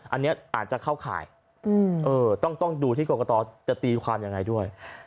อันนี้อาจจะเข้าข่ายต้องดูที่กรกตจะตีความยังไงด้วย